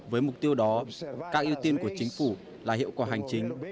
với mục tiêu đó các ưu tiên của chính phủ là hiệu quả hành chính